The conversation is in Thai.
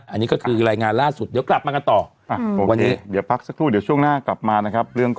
อันนี้ก็คือรายงานล่าสุดเดี๋ยวกลับมากันต่อ